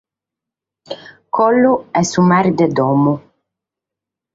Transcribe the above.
Collu est su mere de domo.